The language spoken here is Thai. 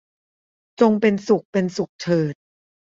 จงเป็นสุขเป็นสุขเถิด